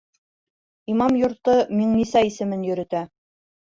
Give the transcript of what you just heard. Имам йорто «Миңниса» исемен йөрөтә.